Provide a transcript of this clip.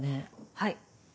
はい。